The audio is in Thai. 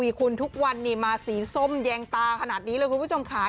วีคุณทุกวันมาสีส้มแย้งตาขนาดนี้คุณผู้ชมขาย